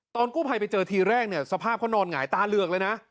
กู้ภัยไปเจอทีแรกเนี่ยสภาพเขานอนหงายตาเหลือกเลยนะ